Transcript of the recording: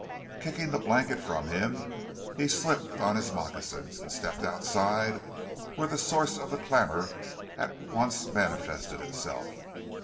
Kicking the blanket from him he slipped on his moccasins and stepped outside where the source of the clamour at once manifested itself.